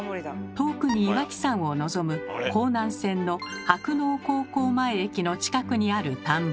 遠くに岩木山を望む弘南線の柏農高校前駅の近くにある田んぼ。